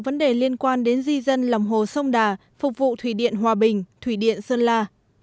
vấn đề liên quan đến di dân lòng hồ sông đà phục vụ thủy điện hòa bình thủy điện sơn la